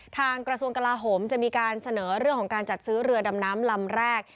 กระทรวงกลาโหมจะมีการเสนอเรื่องของการจัดซื้อเรือดำน้ำลำแรก